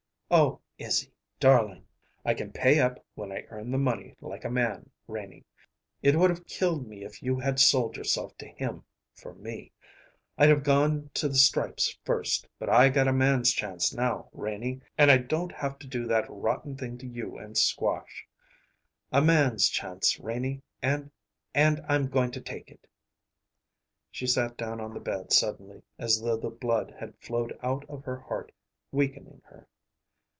"Oh, Izzy darling!" "I can pay up when I earn the money like a man, Renie. It would have killed me if you had sold yourself to him for me. I'd have gone to the stripes first. But I got a man's chance now, Renie, and I don't have to do that rotten thing to you and Squash. A man's chance, Renie, and and I'm going to take it." She sat down on the bed suddenly, as though the blood had flowed out of her heart, weakening her.